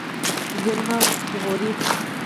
زیرمې ژغورئ.